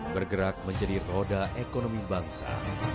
bergerak menjadi roda ekonomi bangsa